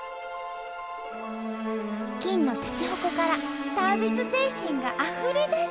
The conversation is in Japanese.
金のしゃちほこからサービス精神があふれ出す！